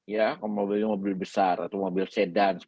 ya mobil mobil besar atau mobil sedan